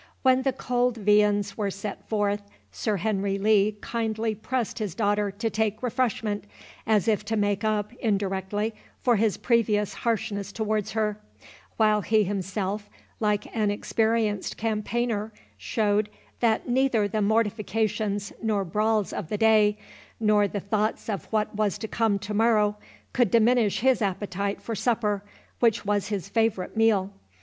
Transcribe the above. When the cold viands were set forth, Sir Henry Lee kindly pressed his daughter to take refreshment, as if to make up, indirectly, for his previous harshness towards her; while he himself, like an experienced campaigner, showed, that neither the mortifications nor brawls of the day, nor the thoughts of what was to come to morrow, could diminish his appetite for supper, which was his favourite meal.